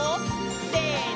せの！